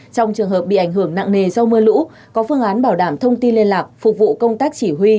trong trường hợp bị ảnh hưởng nặng nề do mưa lũ có phương án bảo đảm thông tin liên lạc phục vụ công tác chỉ huy